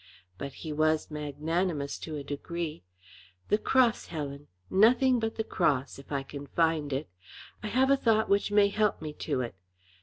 But he was magnanimous to a degree. "The cross, Helen, nothing but the cross, if I can find it. I have a thought which may help me to it.